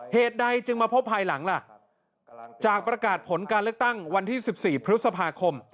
เหตุใดจึงมาพบภายหลังล่ะจากประกาศผลการเลือกตั้งวันที่๑๔พฤษภาคม